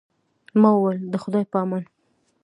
ما وویل، د خدای په امان.